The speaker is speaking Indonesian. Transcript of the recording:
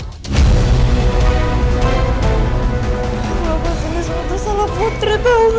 aku lupa selesai salah putri tau gak